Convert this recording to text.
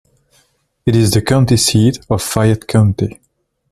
It is the county seat of Fayette County.